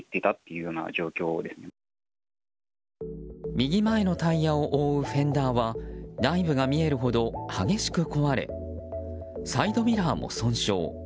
右前のタイヤを覆うフェンダーは内部が見えるほど激しく壊れサイドミラーも損傷。